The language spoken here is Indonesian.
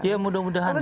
iya mudah mudahan ya